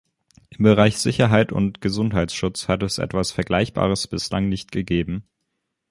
Im Bereich Sicherheit und Gesundheitsschutz hat es etwas Vergleichbares bislang nicht gegeben.